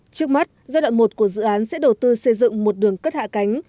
trước mắt giai đoạn một của dự án sẽ đầu tư xây dựng một đường cất hạ cánh